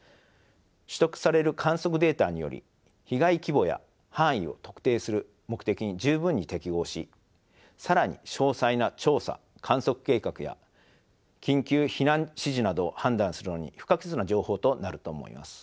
取得される観測データにより被害規模や範囲を特定する目的に十分に適合し更に詳細な調査・観測計画や緊急避難指示などを判断するのに不可欠な情報となると思います。